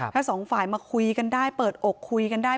ถ้าสองฝ่ายมาคุยกันได้เปิดอกคุยกันได้